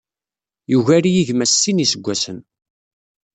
Yugar-iyi gma s sin iseggasen.